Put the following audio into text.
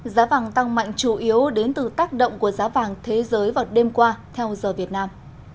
giá vàng tăng mạnh chủ yếu đến từ tác động của giá vàng thế giới vào đêm qua theo giờ việt nam